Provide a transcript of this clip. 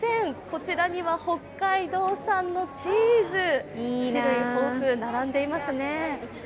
こちらには北海道産のチーズ、種類豊富に並んでいますね。